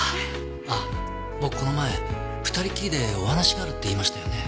あっ僕この前２人きりでお話があるって言いましたよね。